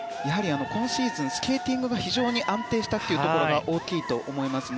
今シーズンスケーティングが安定したことが大きいと思いますね。